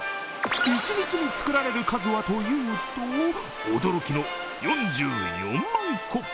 一日に作られる数はというと驚きの４４万個。